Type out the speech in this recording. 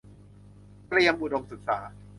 เตรียมอุดมศึกษา